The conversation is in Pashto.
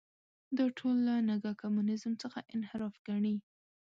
دا ټول له نګه کمونیزم څخه انحراف ګڼي.